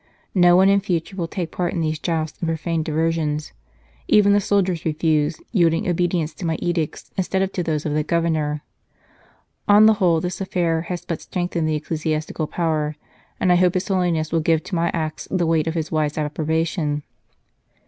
No one in future will take part in these jousts and profane diver sions ; even the soldiers refuse, yielding obedience to my edicts instead of to those of the Governor. On the whole this affair has but strengthened the ecclesiastical power, and I hope His Holiness will give to my acts the weight of his wise approbation."